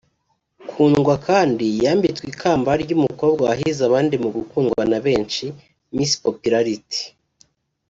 Kundwa kandi yambitswe ikamba ry’umukobwa wahize abandi mu gukundwa na benshi(Miss Popularity)